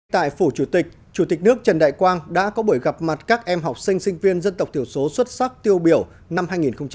tại phủ chủ tịch chủ tịch nước trần đại quang đã có buổi gặp mặt các em học sinh sinh viên dân tộc thiểu số xuất sắc tiêu biểu năm hai nghìn một mươi chín